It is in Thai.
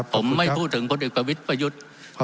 ผมไม่พูดถึงพลเอกประวิทย์ประยุทธ์